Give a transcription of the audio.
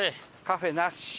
カフェなし。